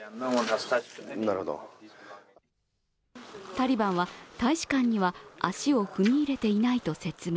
タリバンは、大使館には足を踏み入れていないと説明。